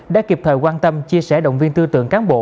đã kịp thời quan tâm chia sẻ động viên tư tưởng cán bộ